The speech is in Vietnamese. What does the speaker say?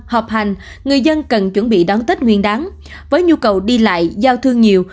hợp hành người dân cần chuẩn bị đón tết nguyên đáng với nhu cầu đi lại giao thương nhiều